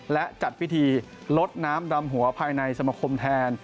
และจัดพิธีลดน้ำดำหัวภายในสมคมแทน